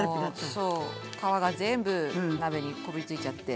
そう皮が全部鍋にこびりついちゃって。